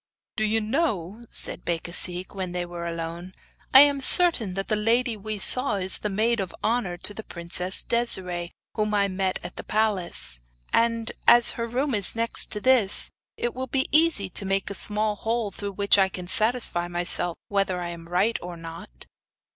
'Do you know,' said Becasigue, when they were alone, 'I am certain that the lady we saw is the maid of honour to the Princess Desiree, whom I met at the palace. And, as her room is next to this, it will be easy to make a small hole through which I can satisfy myself whether I am right or not.